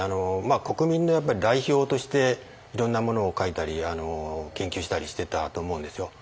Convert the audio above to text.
国民の代表としていろんなものを書いたり研究してたりしてたと思うんですよ。